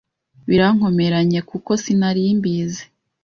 Birankomeranye kuko sinarimbizi